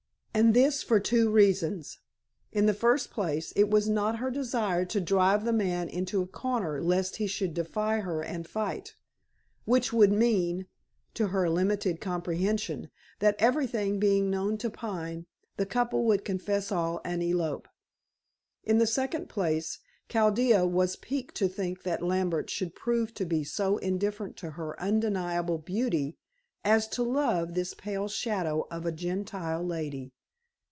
And this for two reasons. In the first place, it was not her desire to drive the man into a corner lest he should defy her and fight, which would mean to her limited comprehension that everything being known to Pine, the couple would confess all and elope. In the second place, Chaldea was piqued to think that Lambert should prove to be so indifferent to her undeniable beauty, as to love this pale shadow of a Gentile lady.